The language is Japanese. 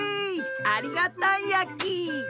ありがたいやき！